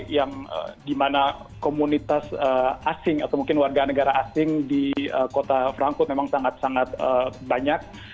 yang dimana komunitas asing atau mungkin warga negara asing di kota frankfurt memang sangat sangat banyak